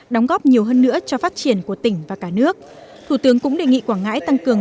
đóng góp nhiều hơn nữa cho phát triển của tỉnh và cả nước thủ tướng cũng đề nghị quảng ngãi tăng cường